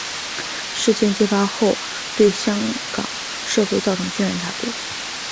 事件揭发后对香港社会造成轩然大波。